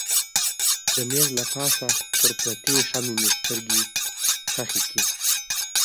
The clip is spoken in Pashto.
د مېز له پاسه پر پرتې شمعې مې سترګې ښخې کړې.